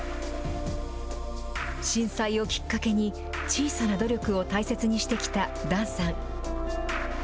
震災をきっかけに、小さな努力を大切にしてきた檀さん。